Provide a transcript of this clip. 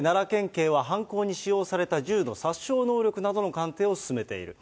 警は犯行に使用された銃の殺傷能力などの鑑定を進めている。